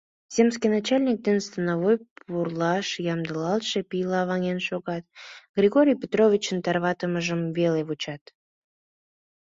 Земский начальник ден становой пурлаш ямдылалтше пийла ваҥен шогат, Григорий Петровичын тарванымыжым веле вучат...